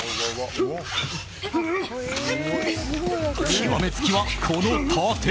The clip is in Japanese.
極め付きは、この殺陣。